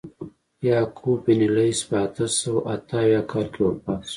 یعقوب بن لیث په اته سوه اته اویا کال کې وفات شو.